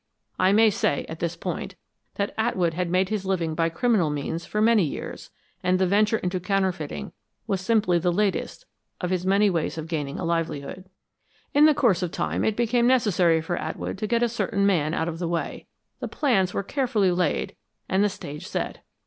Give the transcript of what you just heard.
I may say, at this point, that Atwood had made his living by criminal means for many years, and the venture in counterfeiting was simply the latest of his many ways of gaining a livelihood." "In the course of time it became necessary for Atwood to get a certain man out of the way. The plans were carefully laid and the stage set.